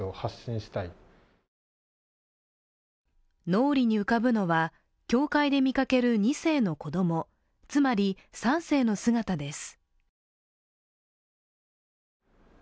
脳裏に浮かぶのは、教会で見かける２世の子供、つまり、３世の姿です。